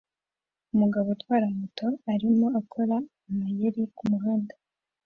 Umugabo utwara moto arimo akora amayeri kumuhanda